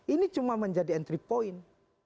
ini cuma menjadi entry point